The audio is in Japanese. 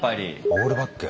オールバック。